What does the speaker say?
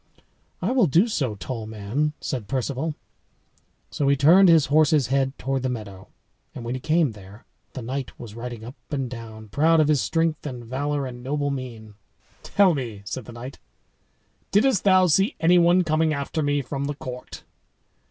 "I will do so, tall man," said Perceval. So he turned his horse's head toward the meadow. And when he came there, the knight was riding up and down, proud of his strength and valor and noble mien. "Tell me," said the knight, "didst thou see any one coming after me from the court?"